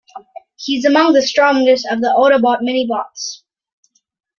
He is among the strongest of the Autobot mini-bots.